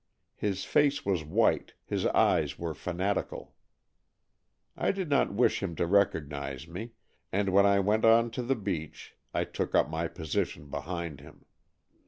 His face was white, his eyes were fanatical. I did not wish him to recognize me, and when I went down on to the beach I took up my position behind him.